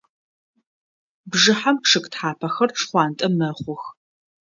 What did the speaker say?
Бжыхьэм чъыг тхьапэхэр шхъуантӏэ мэхъух.